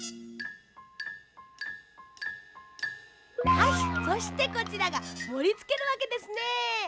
はいそしてこちらがもりつけるわけですね。